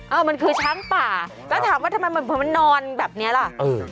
เออมันคือช้างป่าแล้วถามว่าทำไมเหมือนมันนอนแบบนี้ล่ะเออ